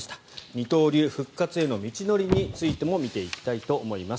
二刀流復活への道のりについても見ていきたいと思います。